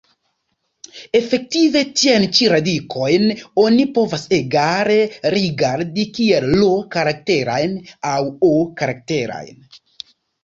Efektive tiajn ĉi radikojn oni povas egale rigardi kiel I-karakterajn aŭ O-karakterajn.